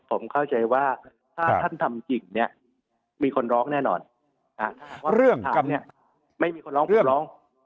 ผมเข้าใจว่าถ้าท่านทำจริงเนี่ยมีคนร้องแน่นอนว่าเรื่องทำเนี่ยไม่มีคนร้องเพื่อร้อง